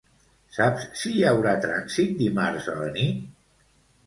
Saps si hi haurà trànsit dimarts a la nit?